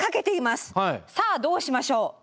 さあどうしましょう。